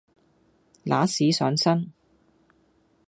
揦屎上身